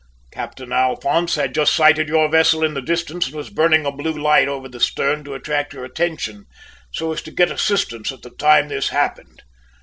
Captain Alphonse had just sighted your vessel in the distance and was burning a blue light over the stern to attract your attention, so as to get assistance at the time this happened."